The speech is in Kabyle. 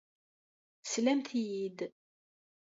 Teslamt-iyi-d.